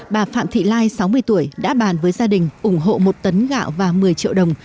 bà phạm thị lai sáu mươi tuổi đã bàn với gia đình ủng hộ một tấn gạo và một mươi triệu đồng